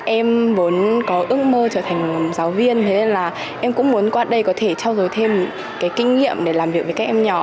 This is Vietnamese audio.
em muốn có ước mơ trở thành giáo viên thế nên là em cũng muốn qua đây có thể trao dồi thêm cái kinh nghiệm để làm việc với các em nhỏ